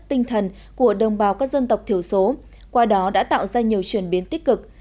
tinh thần của đồng bào các dân tộc thiểu số qua đó đã tạo ra nhiều chuyển biến tích cực